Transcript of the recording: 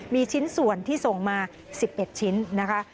มีชิ้นส่วนที่ส่งมา๑๑ชิ้นนะคะ